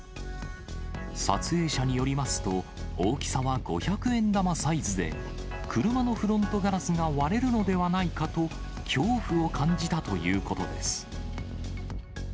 撮影者によりますと、大きさは五百円玉サイズで、車のフロントガラスが割れるのではないかと、恐怖を感じたということです。